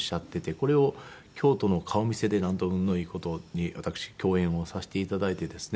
これを京都の顔見世でなんと運のいい事に私共演をさせて頂いてですね